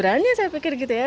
berani saya pikir gitu ya